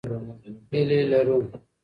هیلې لرو.